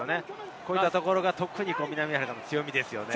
こういったところが南アフリカの強みですね。